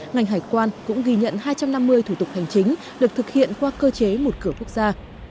ngành hải quan cũng ghi nhận hai trăm năm mươi thủ tục hành chính được thực hiện qua cơ chế một cửa quốc gia